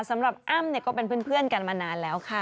สำหรับอ้ำเนี่ยก็เป็นเพื่อนกันมานานแล้วค่ะ